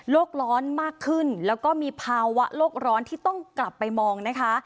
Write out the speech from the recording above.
ร้อนมากขึ้นแล้วก็มีภาวะโลกร้อนที่ต้องกลับไปมองนะคะ